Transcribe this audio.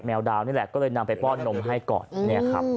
แมวดาวนี่แหละก็เลยนำไปป้อนนมให้ก่อน